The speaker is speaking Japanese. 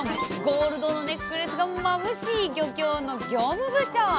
ゴールドのネックレスがまぶしい漁協の業務部長！